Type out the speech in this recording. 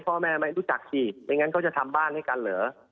พ่อแม่ไม่รู้จักสิไม่งั้นเขาจะทำบ้านให้กันเหรอ